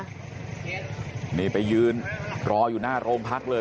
นี่ไปยืนรออยู่หน้าโรงพักเลย